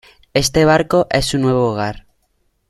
este barco es su nuevo hogar